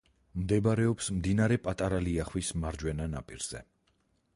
მდებარეობს მდინარე პატარა ლიახვის მარჯვენა ნაპირზე.